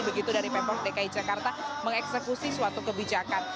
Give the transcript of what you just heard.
begitu dari pemprov dki jakarta mengeksekusi suatu kebijakan